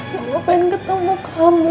mama pengen ketemu kamu